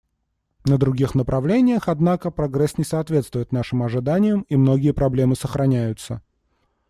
На других направлениях, однако, прогресс не соответствует нашим ожиданиям, и многие проблемы сохраняются.